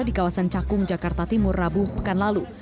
di kawasan cakung jakarta timur rabu pekan lalu